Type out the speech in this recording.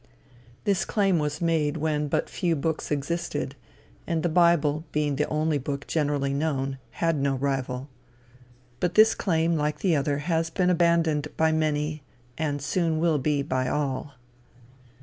This claim was made when but few books existed, and the bible, being the only book generally known, had no rival. But this claim, like the other, has been abandoned by many, and soon will be, by all.